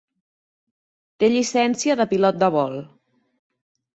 Té llicència de pilot de vol.